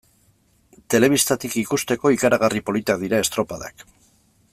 Telebistatik ikusteko, ikaragarri politak dira estropadak.